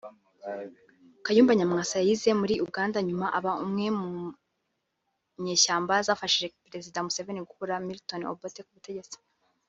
Kayumba Nyamwasa yize muri Uganda nyuma aba umwe munyeshyamba zafashije Perezida Museveni gukura Militon Obote ku butegetsi